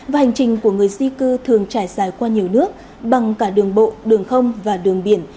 và hành trình của người di cư thường trải dài qua nhiều nước bằng cả đường bộ đường không và đường biển